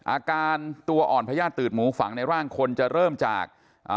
อาการตัวอ่อนพญาติตืดหมูฝังในร่างคนจะเริ่มจากอ่า